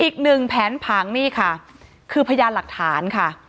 อีกหนึ่งแผนผังนี่ค่ะคือพยานหลักฐานค่ะ